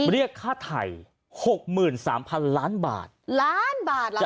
เรียกค่าไทยหกหมื่นสามพันล้านบาทล้านบาทเหรอคะ